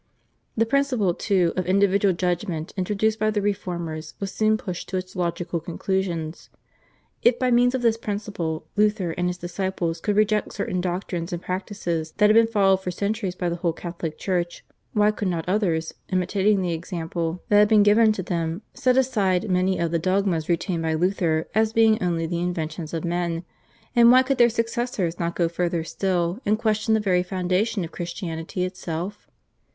The principle, too, of individual judgment introduced by the Reformers was soon pushed to its logical conclusions. If by means of this principle Luther and his disciples could reject certain doctrines and practices that had been followed for centuries by the whole Catholic Church, why could not others, imitating the example that had been given to them, set aside many of the dogmas retained by Luther as being only the inventions of men, and why could their successors not go further still, and question the very foundation of Christianity itself?